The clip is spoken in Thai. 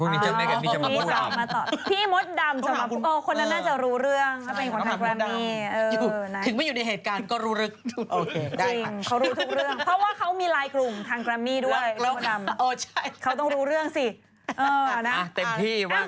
นี่คือมะเดี่ยว